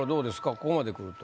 ここまでくると。